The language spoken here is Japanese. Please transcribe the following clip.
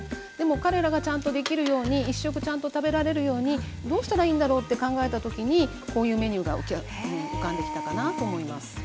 でも彼らがちゃんとできるように一食ちゃんと食べられるようにどうしたらいいんだろうって考えた時にこういうメニューが浮かんできたかなと思います。